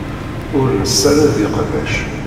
Ur nessared iqbac.